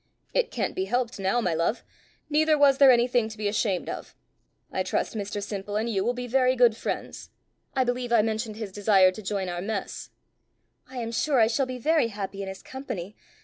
"It can't be helped now, my love, neither was there any thing to be ashamed of. I trust Mr Simple and you will be very good friends. I believe I mentioned his desire to join our mess." "I am sure I shall be very happy in his company.